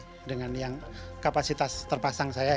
itu juga berarti kapasitas terpasang saya ya